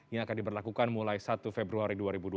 yang akan diberlakukan mulai satu februari dua ribu dua puluh